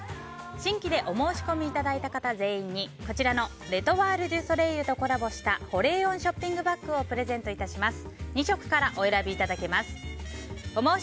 新規でお申し込みいただいた方全員にこちらのレ・トワール・デュ・ソレイユとコラボした保冷温ショッピングバッグをプレゼント致します。